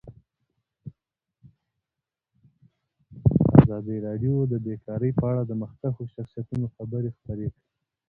ازادي راډیو د بیکاري په اړه د مخکښو شخصیتونو خبرې خپرې کړي.